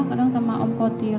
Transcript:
kadang sama om kotir